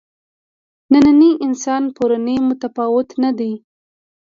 نننی انسان پروني متفاوته نه دي.